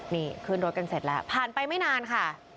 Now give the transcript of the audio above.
นี่ขึ้นรถกันเสร็จแล้วผ่านไปไม่นานค่ะ